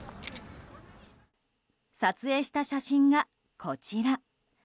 撮影した写真がこちら。